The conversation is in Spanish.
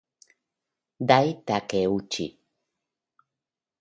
Dai Takeuchi